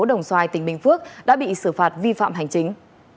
tp đồng xoài tp bình phước đã bị xử phạt vi phạm hành chính